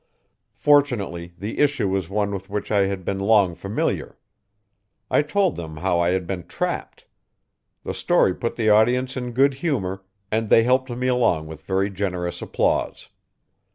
Fortunately the issue was one with which I had been long familiar. I told them how I had been trapped. The story put the audience in good humour and they helped me along with very generous applause.